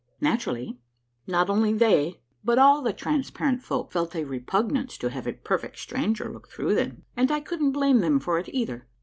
Naturally, not only they, but all the Transparent Folk, felt a repugnance to have a perfect stranger look through them, and I couldn't blame them for it either.